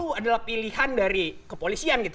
itu adalah pilihan dari kepolisian gitu